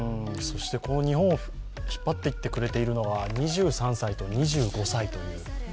この日本を引っ張っていってくれるのは、２３歳と２５歳という。